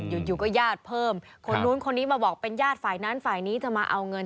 อยู่ก็ญาติเพิ่มคนนู้นคนนี้มาบอกเป็นญาติฝ่ายนั้นฝ่ายนี้จะมาเอาเงิน